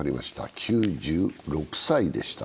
９６歳でした。